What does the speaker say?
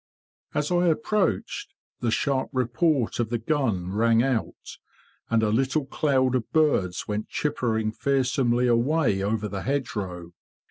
As I approached, the sharp report of the gun rang out, and a little cloud of birds went chippering fearsomely away over the hedgerow.